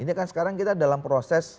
ini kan sekarang kita dalam proses